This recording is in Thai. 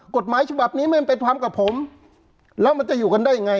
กฎหมายฉบับนี้ไม่เป็นความกับผมแล้วมันจะอยู่กันได้ยังไง